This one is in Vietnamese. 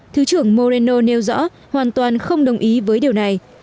thứ trưởng moreno nêu rõ hoàn toàn không đồng ý với điều này